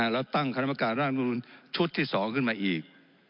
แล้วตั้งคณะประกาศร่างร่างมนูลชุดที่สองขึ้นมาอีก